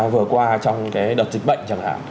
vừa qua trong cái đợt dịch bệnh